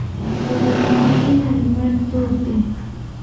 په غرمه کښېنه، لمر تود دی.